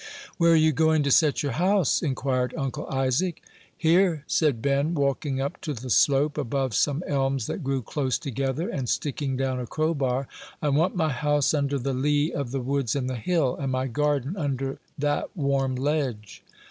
"Where are you going to set your house?" inquired Uncle Isaac. "Here," said Ben, walking up to the slope above some elms that grew close together, and sticking down a crowbar; "I want my house under the lee of the woods and the hill, and my garden under that warm ledge."